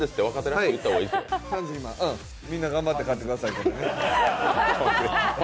みんな頑張って買ってください。